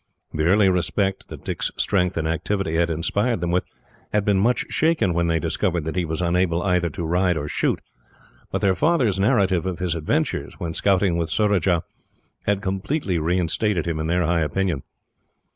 The early respect, that Dick's strength and activity had inspired them with, had been much shaken when they discovered that he was unable either to ride or shoot; but their father's narrative of his adventures, when scouting with Surajah, had completely reinstated him in their high opinion.